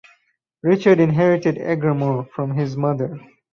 Richard inherited Egremont from his mother.